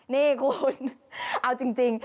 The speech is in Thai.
นี่คุณเอาจริง